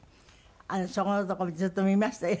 そこのところもずっと見ましたよ